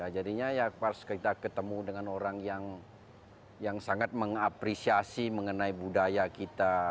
jadinya ya pas kita ketemu dengan orang yang sangat mengapresiasi mengenai budaya kita